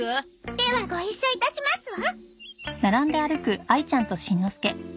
ではご一緒いたしますわ。